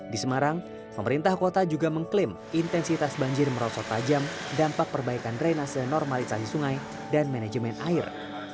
di semarang pemerintah kota juga mengklaim intensitas banjir merosot tajam dampak perbaikan drainase normalisasi sungai dan manajemen air